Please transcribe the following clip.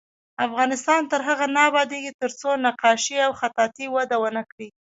افغانستان تر هغو نه ابادیږي، ترڅو نقاشي او خطاطي وده ونه کړي.